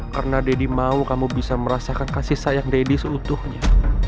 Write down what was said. karena daddy mau kamu bisa merasakan kasih sayang daddy seutuhnya